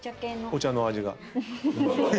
お茶の味が。